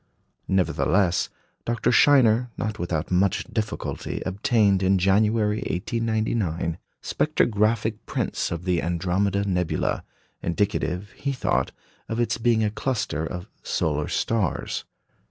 Nevertheless, Dr. Scheiner, not without much difficulty, obtained, in January, 1899, spectrographic prints of the Andromeda nebula, indicative, he thought, of its being a cluster of solar stars.